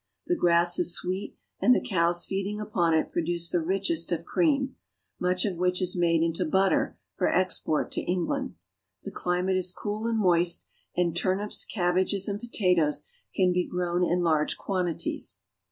The grass is sweet and the cows feeding upon it produce the richest of cream, much of which is made into butter for export to England. The climate is cool and moist, and turnips, cabbages, and potatoes can be grown in large quantities.